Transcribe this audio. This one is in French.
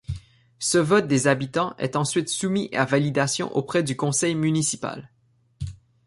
Ce vote des habitants est ensuite soumis à validation auprès du Conseil municipal.